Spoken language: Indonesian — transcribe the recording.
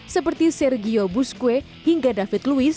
seperti sergio busque hingga david luiz